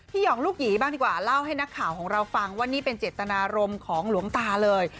หย่องลูกหยีบ้างดีกว่าเล่าให้นักข่าวของเราฟังว่านี่เป็นเจตนารมณ์ของหลวงตาเลย